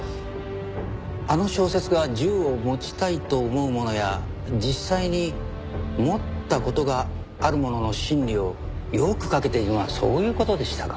あの小説が銃を持ちたいと思う者や実際に持った事がある者の心理をよく書けているのはそういう事でしたか。